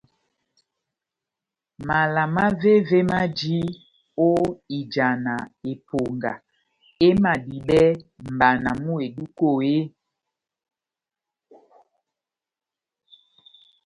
Mala mavéve maji ó ijana eponga emadibɛ mʼbana mú eduku eeeh ?